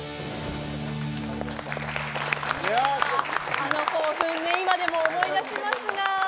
あの興奮今でも思い出しますが。